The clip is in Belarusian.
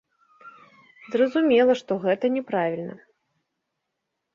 Зразумела, што гэта няправільна.